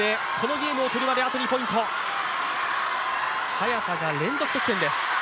早田が連続得点です。